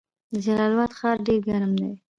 د جلال اباد ښار ډیر ګرم دی